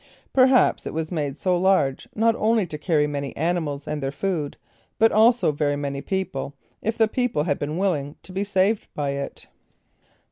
Perhaps it was made so large, not only to carry many animals and their food, but also very many people, if the people had been willing to be saved by it.